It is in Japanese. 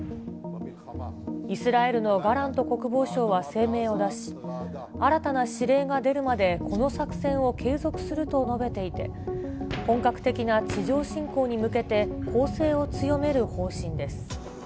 イスラエルのガラント国防相は声明を出し、新たな指令が出るまでこの作戦を継続すると述べていて、本格的な地上侵攻に向けて、攻勢を強める方針です。